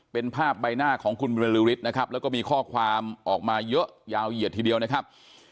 เป็นภาพใบหน้าของคุณบรือฤทธิ์นะครับแล้วก็มีข้อความออกมาเยอะยาวเหยียดทีเดียวนะครับ